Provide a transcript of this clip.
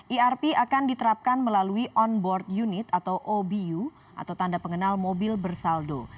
erp akan diterapkan melalui on board unit atau obu atau tanda pengenal mobil bersaldo